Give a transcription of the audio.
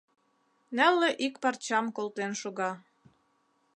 Нылле ик парчам колтен шога.